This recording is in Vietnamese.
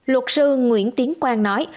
luật sư nguyễn tiến quang nói